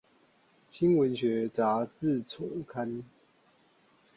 新文學雜誌叢刊